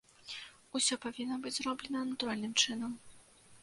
Усё павінна быць зроблена натуральным чынам.